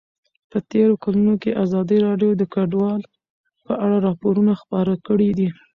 په تېرو کلونو کې ازادي راډیو د کډوال په اړه راپورونه خپاره کړي دي.